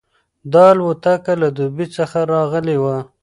دا الوتکه له دوبۍ څخه راغلې وه.